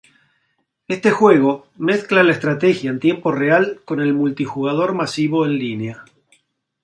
Este juego mezcla la estrategia en tiempo real con el multijugador masivo en línea.